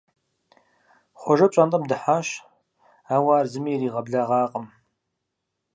Хъуэжэ пщӀантӀэм дыхьащ, ауэ ар зыми иригъэблэгъакъым.